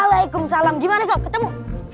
waalaikumsalam gimana sob ketemu